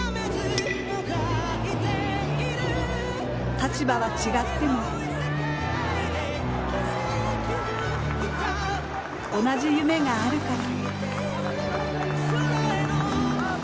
立場は違っても同じ夢があるから。